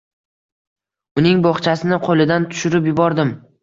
Uning bo‘xchasini qo‘lidan tushirib yubordim.